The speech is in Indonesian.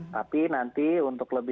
tapi nanti untuk lebih